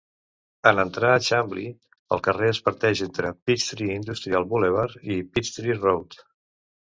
En entrar a Chamblee, el carrer es parteix entre Peachtree Industrial Boulevard i Peachtree Road.